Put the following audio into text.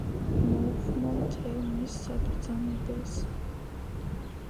მოუხმო მთელ მის საბრძანებელს